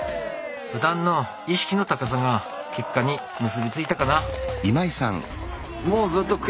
ふだんの意識の高さが結果に結び付いたかな。